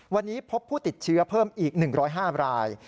วันนี้พบผู้ติดเชื้อเพิ่มอีก๑๐๕ราย